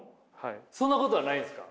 そんなことはないですか？